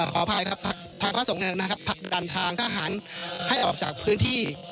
ขออภัยครับผักดันทางทหารให้ออกออกจากพื้นที่